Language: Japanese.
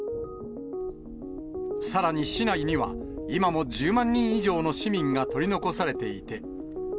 さらに市内には、今も１０万人以上の市民が取り残されていて。